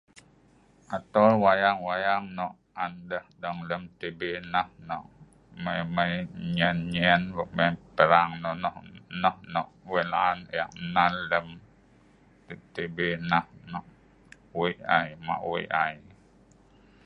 Atoel wayang-wayang nok an deh dong lem TV nah UNCLEAR nyen-nyen, perang nonoh, nah nok wei la'an eek nnal lem TV nah nok wei' ai ma' wei ai.